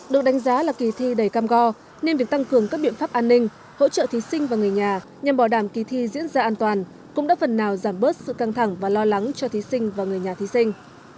được đánh giá là kỳ thi đầy cam go nên việc tăng cường các biện pháp an ninh hỗ trợ thí sinh và người nhà nhằm bảo đảm kỳ thi diễn ra an toàn cũng đã phần nào giảm bớt sự căng thẳng và lo lắng cho thí sinh và người nhà thí sinh